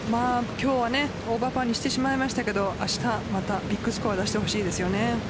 今日はオーバーパーにしてしまいましたが明日またビッグスコアを出してほしいですよね。